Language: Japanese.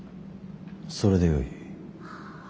それでよい。